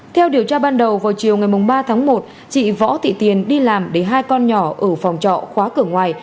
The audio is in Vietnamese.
theo điều tra ban đầu vào chiều ngày ba tháng một chị võ thị tiền đi làm để hai con nhỏ ở phòng trọ khóa cửa ngoài